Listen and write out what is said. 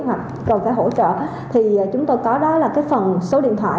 mạch cần phải hỗ trợ thì chúng tôi có đó là cái phần số điện thoại